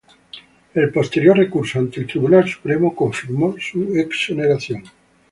El posterior recurso ante el Tribunal Supremo confirmó su exoneración.